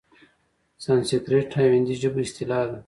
سنسکریت او هندي ژبو اصطلاح ده؛